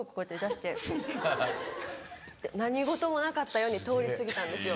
って何事もなかったように通り過ぎたんですよ。